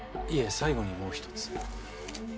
最後にもう一つ。